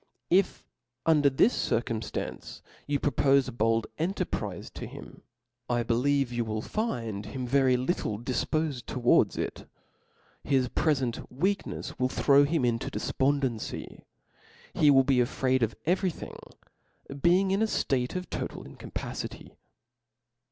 If under this circumftancc you propofe a bold en terprize to him, I believe you will find him very . little difpofed towards it :^ his prefent weaknefs will throw hitn into a defpondency ; he will be afraid of every thing, being in a ftate of tqtal incapacity.